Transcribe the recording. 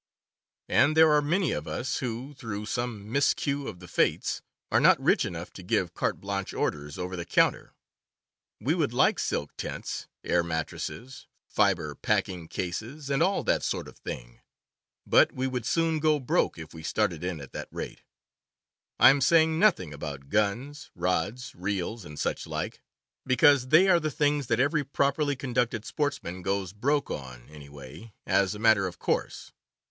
And there are many of us who, through some miscue of the Fates, are not rich enough to give carte blanche orders over the counter. We would like silk tents, air mattresses, fiber packing cases, and all that sort of thing; but we would soon "go broke" if we started in at that rate. I am saying nothing about guns, rods, reels, and such like, because they are the things that every properly conducted sportsman goes broke on, anyway, as a matter of course.